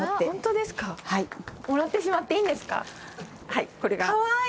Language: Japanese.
はいこれが。